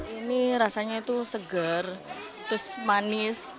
ini rasanya itu segar terus manis